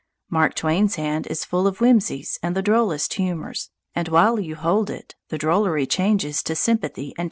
Mark Twain's hand is full of whimsies and the drollest humours, and while you hold it the drollery changes to sympathy and championship.